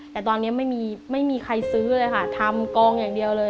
แต่ตอนนี้ไม่มีใครซื้อเลยค่ะทำกองอย่างเดียวเลย